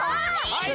はい！